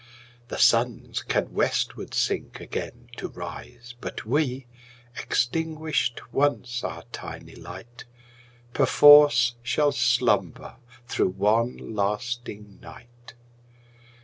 The Suns can westward sink again to rise But we, extinguished once our tiny light, 5 Perforce shall slumber through one lasting night!